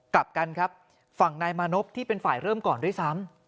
กลับกันครับฝั่งนายมานพที่เป็นฝ่ายเริ่มก่อนด้วยซ้ำ